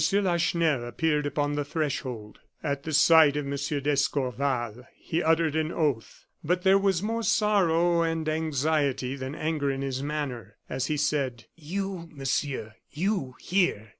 Lacheneur appeared upon the threshold. At the sight of M. d'Escorval he uttered an oath. But there was more sorrow and anxiety than anger in his manner, as he said: "You, Monsieur, you here!"